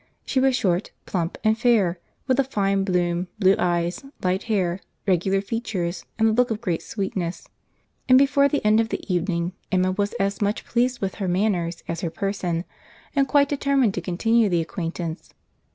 She was short, plump, and fair, with a fine bloom, blue eyes, light hair, regular features, and a look of great sweetness, and, before the end of the evening, Emma was as much pleased with her manners as her person, and quite determined to continue the acquaintance.